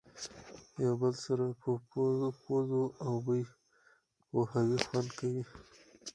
یو بل سره په پوزو او بوی پوهوي خوند کوي.